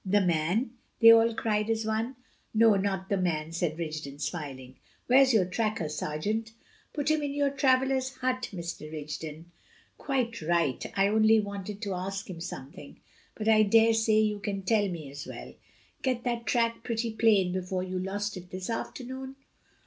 "The man?" they all cried as one. "No, not the man," said Rigden smiling. "Where's your tracker, sergeant?" "Put him in your travellers' hut, Mr. Rigden." "Quite right. I only wanted to ask him something, but I dare say you can tell me as well. Get that track pretty plain before you lost it this afternoon?"